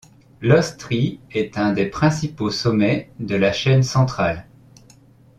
L'Ostry est un des principaux sommets de la chaîne Centrale.